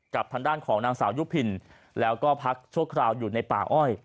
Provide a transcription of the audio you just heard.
กับทางด้านของนางสาวยุพินแล้วก็พักชั่วคราวอยู่ในป่าอ้อย